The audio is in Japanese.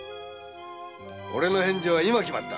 俺の返事は今決まった。